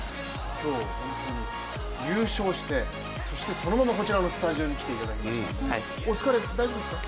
今日は本当に、優勝してそのままこちらのスタジオに来ていただきましたので、お疲れ、大丈夫ですか？